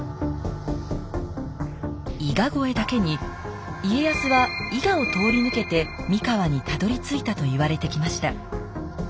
伊賀越えだけに家康は伊賀を通り抜けて三河にたどりついたと言われてきました。